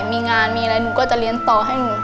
มีงานมีอะไรหนูก็จะเรียนต่อให้หนู